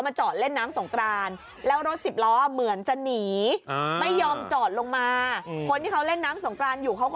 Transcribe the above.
เป็นวงนามที่ทำให้มีการสำราคา